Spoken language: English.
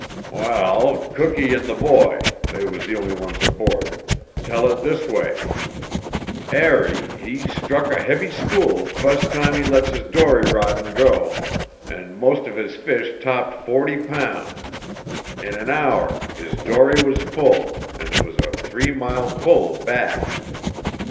"Wal, cookee an' the boy they was the only ones aboard tell it this way: Arry he struck a heavy school fust time he lets his dory rodin' go, an' most of his fish topped forty pound. In an hour his dory was full, and it was a three mile pull back.